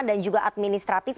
dan juga administratif